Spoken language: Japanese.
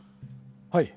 はい。